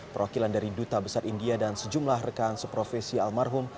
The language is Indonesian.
perwakilan dari duta besar india dan sejumlah rekan seprofesi almarhum